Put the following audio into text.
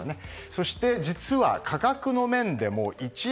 そして実は価格の面でも１円